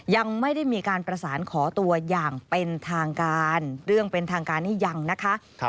ยังไม่ได้มีการประสานขอตัวอย่างเป็นทางการเรื่องเป็นทางการนี้ยังนะคะ